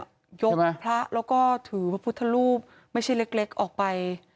ยกพระแล้วก็ถือพระพุทธรูปไม่ใช่เล็กออกไป